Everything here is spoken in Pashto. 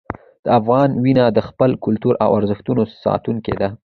د افغان وینه د خپل کلتور او ارزښتونو ساتونکې ده.